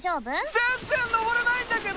全然登れないんだけど！